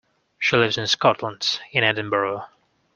She lives in Scotland, in Edinburgh